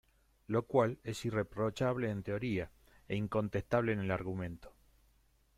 lo cual es irreprochable en teoría e incontestable en el argumento